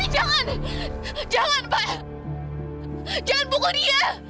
jangan pukul dia